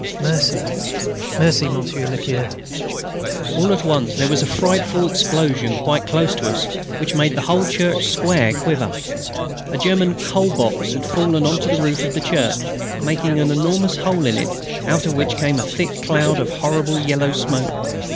"Merci, ... merci, Monsieur le Curé." All at once there was a frightful explosion quite close to us, which made the whole church square quiver. A German "coal box" had fallen on to the roof of the church, making an enormous hole in it, out of which came a thick cloud of horrible yellow smoke.